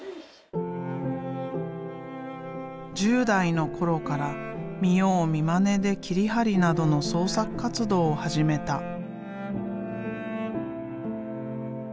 １０代の頃から見よう見まねで切り貼りなどの創作活動を始めた。